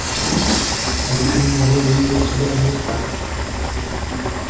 Aby k tomu mohlo dojít, je třeba investovat.